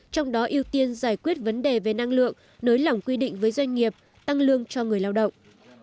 trong đó ưu tiên giải quyết vấn đề về năng lượng nới lỏng quy định với doanh nghiệp tăng lương cho người lao động